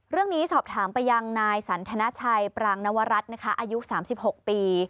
เรื่องนี้สอบถามไปยังนายสันทนาชัยปรางนวรัฐอายุ๓๖ปี